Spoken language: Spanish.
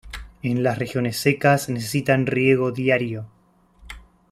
En las regiones secas necesitan riego diario.